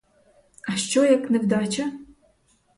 А що, як невдача?